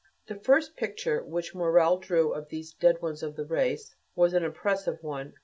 The first picture which Morel drew of these "dead ones of the race" was an impressive one.